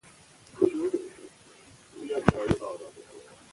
که مادي ژبه وي نو فشار نه راځي.